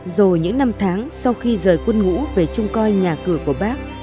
dù những năm tháng sau khi rời quân ngũ về trung coi nhà cửa của bác